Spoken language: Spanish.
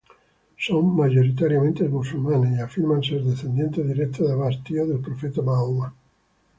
Son mayoritariamente musulmanes y afirman ser descendientes directos de Abbas, tío del profeta Mahoma.